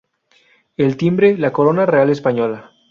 El timbre, la Corona Real española.